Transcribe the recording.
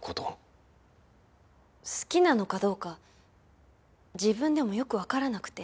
好きなのかどうか自分でもよくわからなくて。